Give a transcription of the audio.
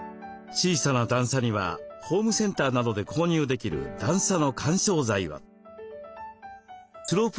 小さな段差にはホームセンターなどで購入できる段差の緩衝材を。